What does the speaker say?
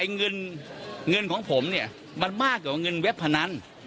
เงินเงินของผมเนี่ยมันมากกว่าเงินเว็บพนัน